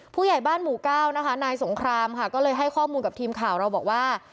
ผู้ใหญ่บ้านหมู่เก้านะคะนายสงครามค่ะก็เลยให้ข้อมูลกับทีมข่าวเราบอกว่า